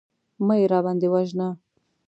مه يې راباندې وژنه.